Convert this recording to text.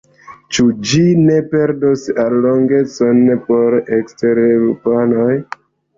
Ĉu ĝi ne perdos allogecon por ekstereŭropanoj?